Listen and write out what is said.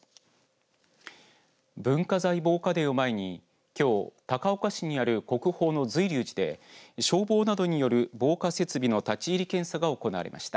文化財防火デーを前にきょう高岡市にある国宝の瑞龍寺で消防などによる防火設備の立ち入り検査が行われました。